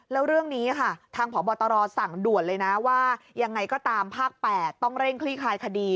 แล้วเรื่องนี้ค่ะทางพบตรสั่งด่วนเลยนะว่ายังไงก็ตามภาค๘ต้องเร่งคลี่คลายคดี